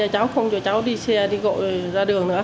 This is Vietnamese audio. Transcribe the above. cháu không cho cháu đi xe đi gội ra đường nữa